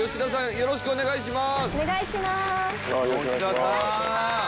よろしくお願いします。